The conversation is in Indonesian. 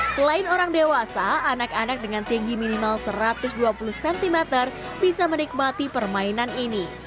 selain orang dewasa anak anak dengan tinggi minimal satu ratus dua puluh cm bisa menikmati permainan ini